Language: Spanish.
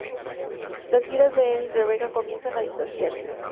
Las vidas de Enid y Rebecca comienzan a distanciarse.